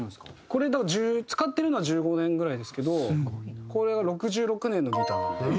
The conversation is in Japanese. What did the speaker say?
これだから使ってるのは１５年ぐらいですけどこれが６６年のギターなんで。